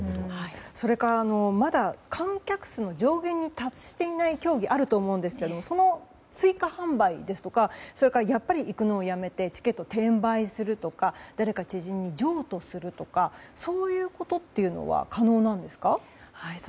それから、まだ観客数の上限に達していない競技もあると思いますけれどもその追加販売ややっぱり行くのをやめてチケットを転売するとか誰か知人に譲渡するとかそういうことっていうのは可能なんですか？